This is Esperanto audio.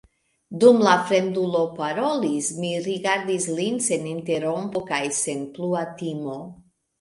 Dum la fremdulo parolis, mi rigardis lin sen interrompo kaj sen plua timo.